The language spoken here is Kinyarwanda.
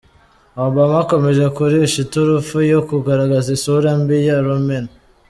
Obama akomeje kurisha iturufu yo kugaragaza isura mbi ya Romeni